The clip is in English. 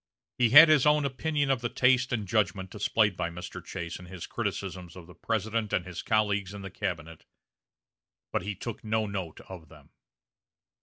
He had his own opinion of the taste and judgment displayed by Mr. Chase in his criticisms of the President and his colleagues in the cabinet, but he took no note of them.